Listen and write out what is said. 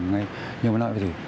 nhưng mà nói về gì